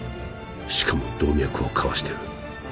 しかも動脈をかわしてる